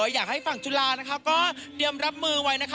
อยากให้ฝั่งจุฬานะคะก็เตรียมรับมือไว้นะคะ